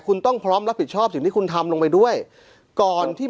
คุณต้องพร้อมรับผิดชอบสิ่งที่คุณทำลงไปด้วยก่อนที่